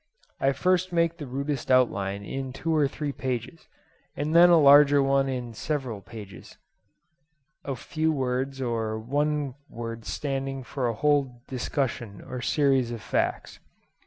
I first make the rudest outline in two or three pages, and then a larger one in several pages, a few words or one word standing for a whole discussion or series of facts.